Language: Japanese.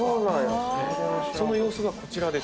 その様子がこちらです。